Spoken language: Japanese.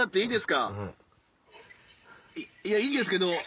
いやいいんですけど。